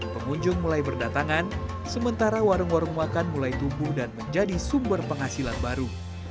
pengunjung mulai berdatangan sementara warung warung makan mulai tumbuh dan menjadi sumber penghasilan baru